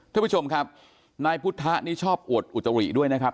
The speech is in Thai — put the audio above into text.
ท่านผู้ชมครับนายพุทธะนี่ชอบอวดอุตริด้วยนะครับ